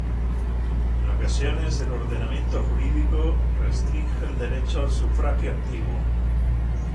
En ocasiones, el ordenamiento jurídico restringe el derecho al sufragio activo.